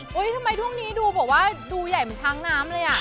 เฮ้ยทำไมทุกนี้ดูบอกว่าดูใหญ่เหมือนช้างน้ำเลยอะ